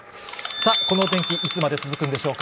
さあ、このお天気、いつまで続くんでしょうか。